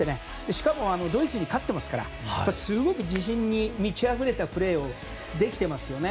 しかもドイツに勝ってますからすごく自信に満ちあふれたプレーをできていますよね。